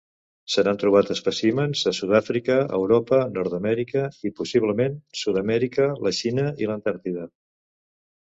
Se n'han trobat espècimens a Sud-àfrica, Europa, Nord-amèrica i possiblement Sud-amèrica, la Xina i l'Antàrtida.